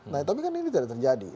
nah tapi kan ini tidak terjadi